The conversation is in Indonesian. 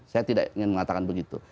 saya tidak ingin mengatakan begitu